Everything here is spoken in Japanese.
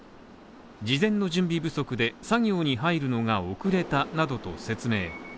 事前の準備不足で作業に入るのが遅れたなどと説明。